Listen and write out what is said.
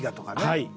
はい。